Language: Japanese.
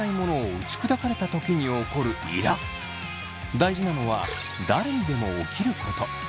大事なのは誰にでも起きること。